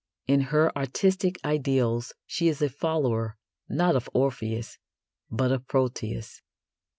In her artistic ideals she is a follower, not of Orpheus, but of Proteus.